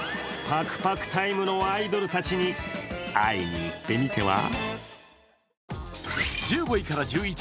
パクパクタイムのアイドルたちに会いに行ってみては？